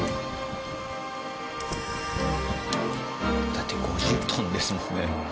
だって５０トンですもんね。